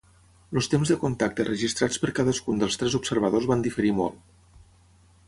Els temps de contacte registrats per cadascun dels tres observadors van diferir molt.